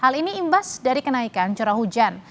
hal ini imbas dari kenaikan curah hujan